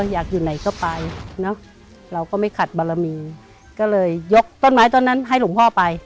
อยากอยู่ไหนก็ไปเนอะเราก็ไม่ขัดบารมีก็เลยยกต้นไม้ต้นนั้นให้หลวงพ่อไป